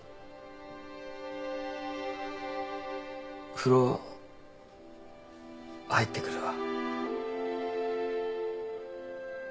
風呂入ってくるわ。